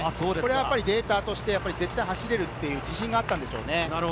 データとして絶対走れるという自信があったのでしょう。